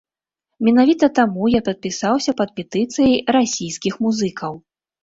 Менавіта таму я падпісаўся пад петыцыяй расійскіх музыкаў.